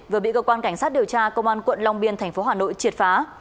vừa bị cơ quan cảnh sát điều tra công an quận long biên tp hà nội triệt phá